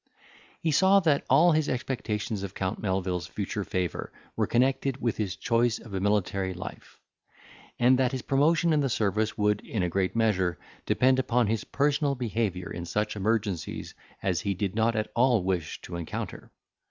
He saw that all his expectations of Count Melvil's future favour were connected with his choice of a military life; and that his promotion in the service would, in a great measure, depend upon his personal behaviour in such emergencies as he did not at all wish to encounter.